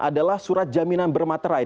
adalah surat jaminan bermaterai